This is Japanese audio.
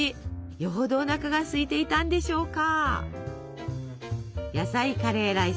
よほどおなかがすいていたんでしょうか。